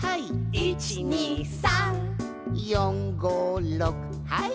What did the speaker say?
「１２３」「４５６はい」